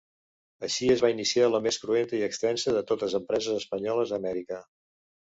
Així es va iniciar la més cruenta i extensa de totes empreses espanyoles a Amèrica.